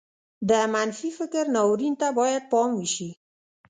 د منفي فکر ناورين ته بايد پام وشي.